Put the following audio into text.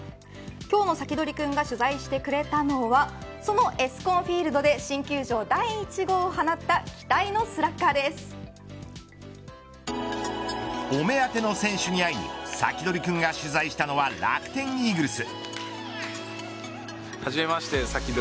今日のサキドリくんが取材してくれたのはそのエスコンフィールドで新球場第１号を放ったお目当ての選手に会いにサキドリくんが取材したのは楽天イーグルス。